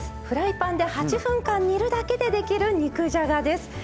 フライパンで８分間煮るだけでできる肉じゃがです。